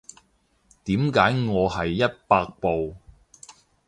點解我係一百步